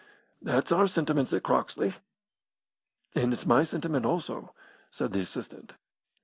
That's our sentiments at Croxley." "And it is my sentiment, also," said the assistant.